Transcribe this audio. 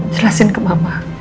jelasin ke mama